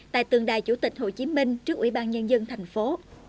tại tượng đài chủ tịch hồ chí minh trước ủy ban nhân dân thành phố